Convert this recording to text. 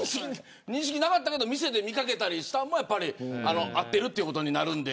認識なかったけど店で見掛けたりしたのは会っているということになるんで。